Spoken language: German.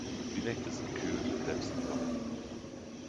Die Nächte sind kühl, selbst im Sommer.